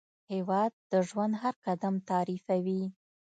هېواد د ژوند هر قدم تعریفوي.